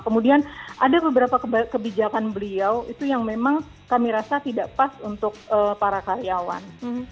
kemudian ada beberapa kebijakan beliau itu yang memang kami rasa tidak pas untuk para karyawan